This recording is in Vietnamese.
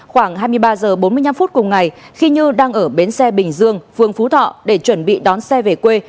khoảng hai mươi ba h bốn mươi năm phút cùng ngày khi như đang ở bến xe bình dương phương phú thọ để chuẩn bị đón xe về quê